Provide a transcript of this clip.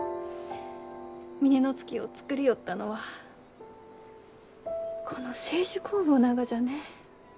峰乃月を造りよったのはこの清酒酵母ながじゃね。